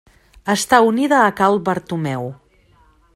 Està unida a Cal Bartomeu.